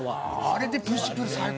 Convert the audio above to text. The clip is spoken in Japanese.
あれでプッシュプル最高。